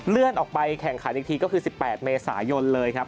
เลื่อนออกไปแข่งขันอีกทีก็คือ๑๘เมษายนเลยครับ